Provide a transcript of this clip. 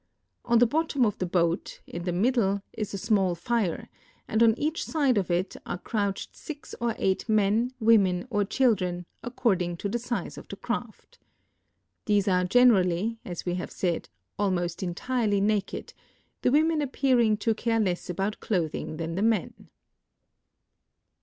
On the bottom of the boat, in the middle, is a small fire, and on each side of it are crouched six or eight men, women, or chil dren, according to the size of the craft. These are generally, as we have said, almost entirely naked, the women appearing to care less about clothing than the men."